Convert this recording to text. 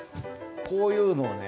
こういうのをね